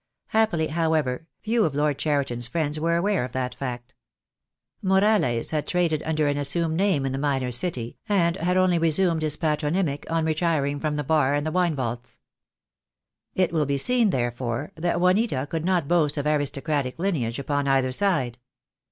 Happily, however, few of Lord Cheriton's friends were aware of that fact. Morales had traded under an assumed name in the miners' city, and had only resumed his patronymic on retiring from the bar and the wine vaults. It will be seen, therefore, that Juanita could not boast of aristocratic lineage upon either side.